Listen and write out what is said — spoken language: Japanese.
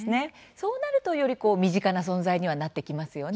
そうなると、より身近な存在にはなってきますよね。